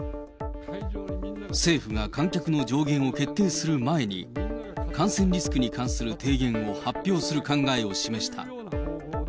政府が観客の上限を決定する前に、感染リスクに関する提言を発表する考えを示した。